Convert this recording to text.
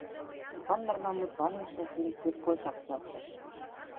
Тудлан марла мутланыше финн тӱргочак келшыш.